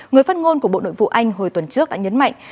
người phát ngôn của bộ nội vụ anh hồi tuần trước đã nhấn mạnh